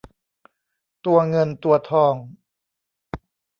ตัวเงินตัวทอง